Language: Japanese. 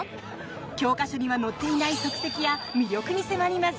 教科書には載っていない足跡や魅力に迫ります。